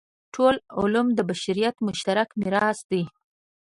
ټول علوم د بشریت مشترک میراث دی.